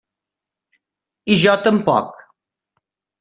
I jo tampoc.